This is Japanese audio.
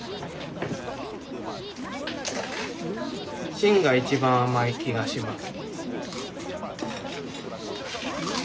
芯が一番甘い気がします。